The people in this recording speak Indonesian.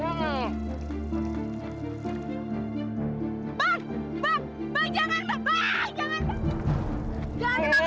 bang bang bang jangan bang jangan jangan